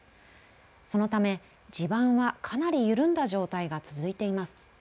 そのため地盤はかなり緩んだ状態が続いています。